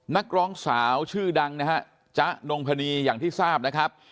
นักร้องสาวชื่อดังนะฮะจ๊ะนงพนีอย่างที่ทราบนะครับ